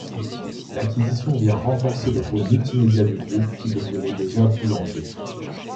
L'acquisition vient renforcer le pôle multimédia du groupe qui détenait déjà Boulanger.